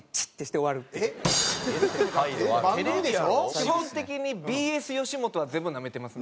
基本的にＢＳよしもとは全部なめてますね。